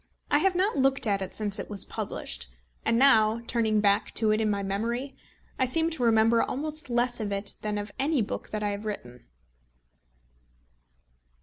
I have not looked at it since it was published; and now turning back to it in my memory, I seem to remember almost less of it than of any book that I have written.